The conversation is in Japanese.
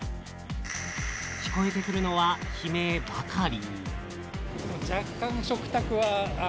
聞こえてくるのは悲鳴ばかり。